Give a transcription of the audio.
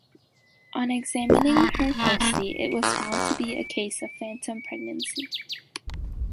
On examining her closely it was found to be a case of phantom pregnancy.